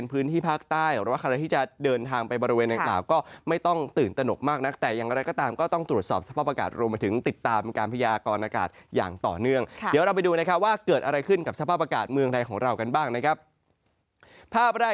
ฝนที่นี่แล้วถ้าเกิดสมมุติเต็ม๑๐ครั้งนี้